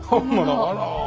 あら。